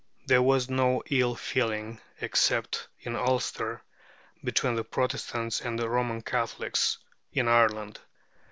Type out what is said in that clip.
There was no ill feeling (except in Ulster) between Protestants and Roman Catholics in Ireland.